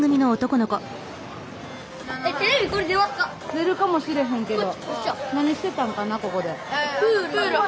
出るかもしれへんけど。